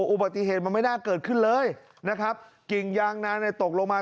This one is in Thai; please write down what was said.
อุบัติเหตุมันไม่น่าเกิดขึ้นเลยนะครับกิ่งยางนานเนี่ยตกลงมา